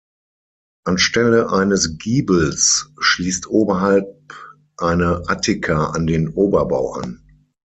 Anstelle eines Giebels schließt oberhalb eine "Attika" an den Oberbau an.